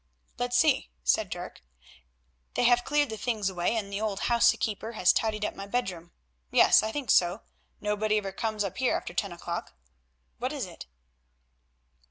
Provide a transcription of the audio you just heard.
"Let's see," said Dirk, "they have cleared the things away, and the old housekeeper has tidied up my bedroom. Yes, I think so. Nobody ever comes up here after ten o'clock. What is it?"